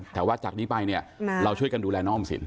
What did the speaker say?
แต่ว่าจากนี้ไปเนี่ยเราช่วยกันดูแลน้องออมสิน